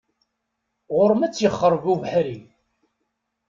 Ɣur-m ad t-yexreb ubeḥri.